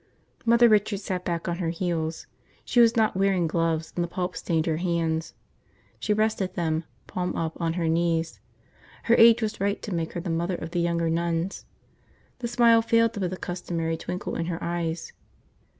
Mother Richard sat back on her heels. She was not wearing gloves and the pulp stained her hands. She rested them, palm up, on her knees. Her age was right to make her the mother of the younger nuns. The smile failed to put the customary twinkle in her eyes.